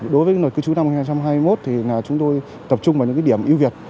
đối với luật cư trú năm hai nghìn hai mươi một chúng tôi tập trung vào những điểm yêu việt